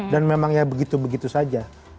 dan memang ya begitu begitu saja